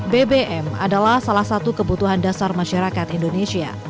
bbm adalah salah satu kebutuhan dasar masyarakat indonesia